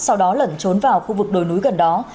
sau đó lẩn trốn vào khu vực đồi núi gần đó